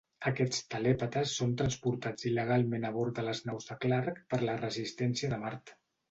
Aquests telèpates són transportats il·legalment a bord de les naus de Clark per la resistència de Mart.